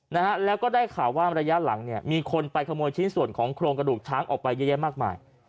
นะฮะแล้วก็ได้ข่าวว่าระยะหลังเนี่ยมีคนไปขโมยชิ้นส่วนของโครงกระดูกช้างออกไปเยอะแยะมากมาย